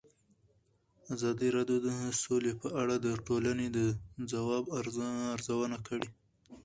ازادي راډیو د سوله په اړه د ټولنې د ځواب ارزونه کړې.